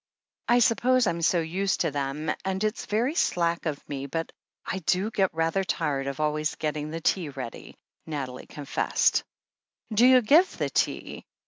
"I suppose Fm so used to them, and — it's very slack of me — ^but I do get rather tired of always getting the tea ready," Nathalie confessed. "Do you give the tea?"